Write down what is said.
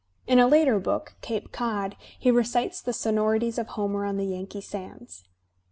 In a later book, "Cape Cod," he recites the sonorities of Homer on the Yankee sands.